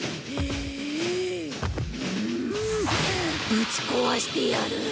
ぶち壊してやる！！